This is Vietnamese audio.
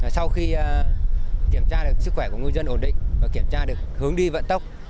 sau khi kiểm tra sức khỏe của ngư dân ổn định và kiểm tra được hướng đi vận tốc